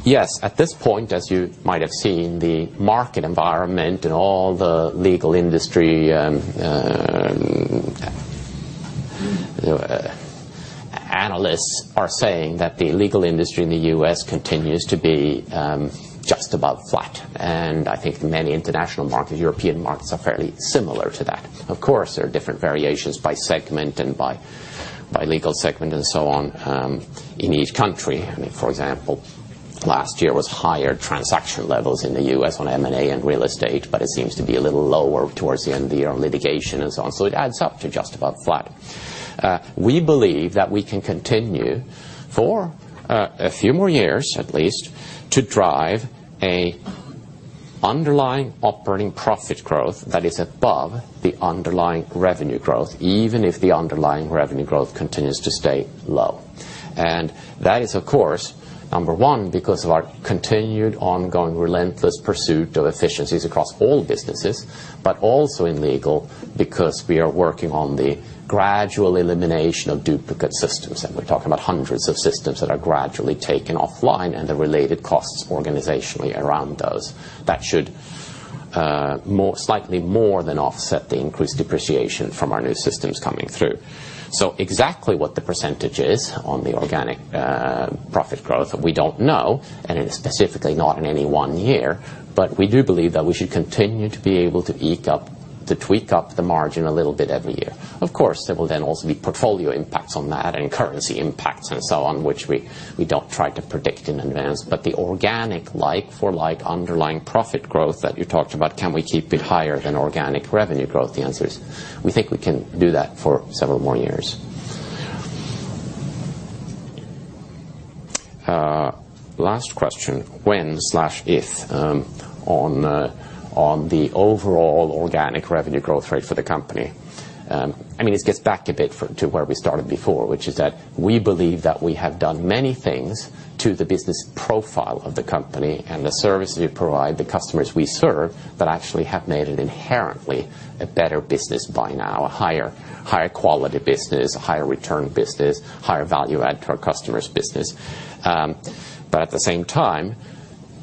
Yes, at this point, as you might have seen, the market environment and all the legal industry analysts are saying that the legal industry in the U.S. continues to be just about flat. I think many international markets, European markets, are fairly similar to that. Of course, there are different variations by segment and by legal segment and so on in each country. I mean, for example, last year was higher transaction levels in the U.S. on M&A and real estate, but it seems to be a little lower towards the end of the year on litigation and so on. It adds up to just about flat. We believe that we can continue for a few more years, at least, to drive a underlying operating profit growth that is above the underlying revenue growth, even if the underlying revenue growth continues to stay low. That is, of course, number one, because of our continued, ongoing, relentless pursuit of efficiencies across all businesses, but also in legal because we are working on the gradual elimination of duplicate systems. We're talking about hundreds of systems that are gradually taken offline and the related costs organizationally around those. That should slightly more than offset the increased depreciation from our new systems coming through. Exactly what the percentage is on the organic profit growth, we don't know, and specifically not in any one year, but we do believe that we should continue to be able to tweak up the margin a little bit every year. There will then also be portfolio impacts on that and currency impacts and so on, which we don't try to predict in advance. The organic like for like underlying profit growth that you talked about, can we keep it higher than organic revenue growth? The answer is, we think we can do that for several more years. Last question, when/if on the overall organic revenue growth rate for the company. This gets back a bit to where we started before, which is that we believe that we have done many things to the business profile of the company and the services we provide, the customers we serve, that actually have made it inherently a better business by now, a higher quality business, a higher return business, higher value add to our customers' business. At the same time,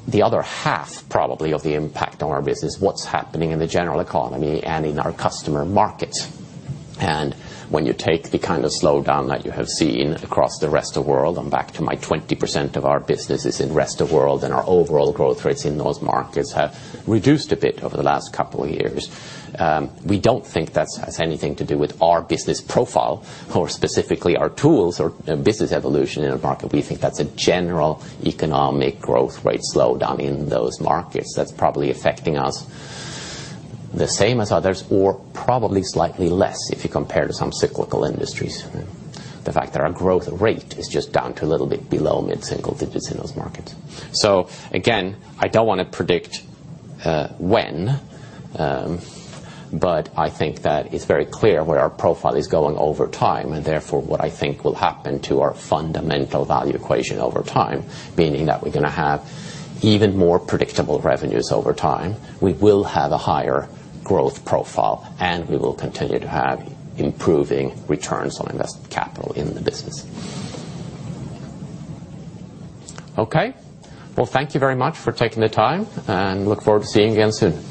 the other half probably of the impact on our business, what's happening in the general economy and in our customer markets. When you take the kind of slowdown that you have seen across the rest of world, I'm back to my 20% of our business is in rest of world, our overall growth rates in those markets have reduced a bit over the last couple of years. We don't think that has anything to do with our business profile or specifically our tools or business evolution in a market. We think that's a general economic growth rate slowdown in those markets that's probably affecting us the same as others or probably slightly less if you compare to some cyclical industries. The fact that our growth rate is just down to a little bit below mid-single digits in those markets. Again, I don't want to predict when, I think that it's very clear where our profile is going over time, and therefore what I think will happen to our fundamental value equation over time, meaning that we're going to have even more predictable revenues over time. We will have a higher growth profile, and we will continue to have improving returns on invested capital in the business. Thank you very much for taking the time, and look forward to seeing you again soon.